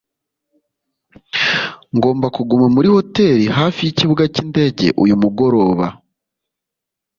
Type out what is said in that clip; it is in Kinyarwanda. ngomba kuguma muri hoteri hafi yikibuga cyindege uyu mugoroba